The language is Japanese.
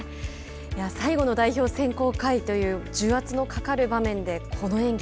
最後の代表選考会という重圧のかかる場面でこの演技